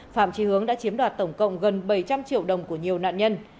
phạm trí hướng đã chiếm đoạt tổng cộng gần bảy trăm linh triệu đồng của nhiều nạn nhân